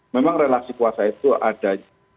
memang relasi kuasa itu ada